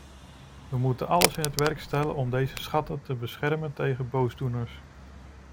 We moeten alles in het werk stellen om deze schatten te beschermen tegen boosdoeners.